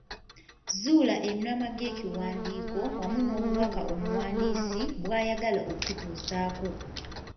Zuula emiramwa gy'ekiwandiiko wamu n'obubaka omuwandiisi bw'ayagala okukutuusaako.